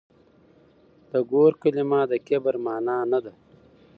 د ګور کلمه د کبر مانا نه ده.